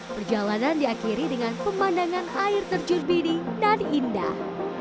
perjalanan diakhiri dengan pemandangan air terjun bini dan indah